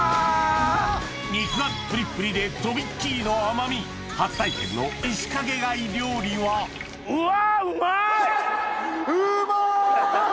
肉厚プリップリでとびっきりの甘み初体験のイシカゲ貝料理はうわ！